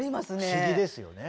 不思議ですよね。